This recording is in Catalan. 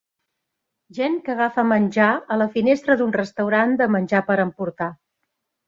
Gent que agafa menjar a la finestra d'un restaurant de menjar per emportar.